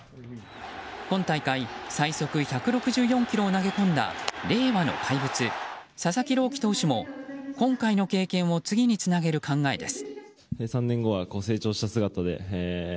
今大会最速１６４キロを投げ込んだ令和の怪物・佐々木朗希投手も今回の経験を次につなげる考えです。